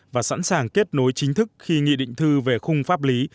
và sẵn sàng kết nối chính thức khi nghị định thư về khung pháp lý